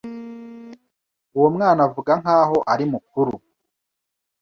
Uwo mwana avuga nkaho ari mukuru.